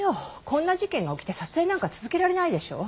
こんな事件が起きて撮影なんか続けられないでしょ。